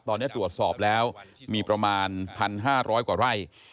ตอนนี้ตรวจสอบแล้วมีประมาณ๑๕๐๐กว่าไร่